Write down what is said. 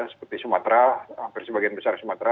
seperti sumatera hampir sebagian besar sumatera